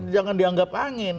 jangan dianggap angin